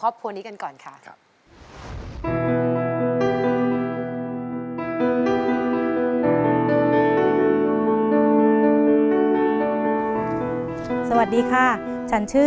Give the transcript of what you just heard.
รายการต่อไปนี้เป็นรายการทั่วไปสามารถรับชมได้ทุกวัย